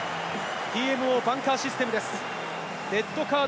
ＴＭＯバンカーシステムです。